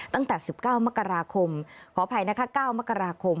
ตั้งแต่๑๙มกราคมขออภัยนะคะ๙มกราคม